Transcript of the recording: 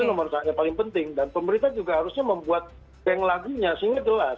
itu nomor satu yang paling penting dan pemerintah juga harusnya membuat bank lagunya sehingga jelas